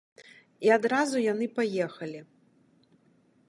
І адразу яны паехалі.